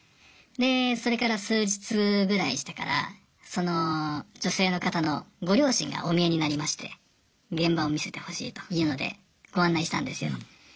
でそれから数日ぐらいしてからその女性の方のご両親がお見えになりまして現場を見せてほしいというのでご案内したんですよ。